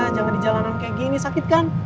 jangan di jalanan kayak gini sakit kan